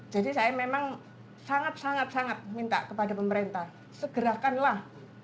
jadi saya memang sangat sangat minta kepada pemerintah segerakanlah